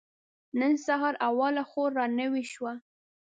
نن سهار اوله خور را نوې شوه.